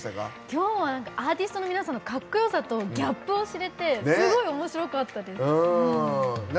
きょうはアーティストの皆さんのかっこよさとギャップを知れてすごいおもしろかったです。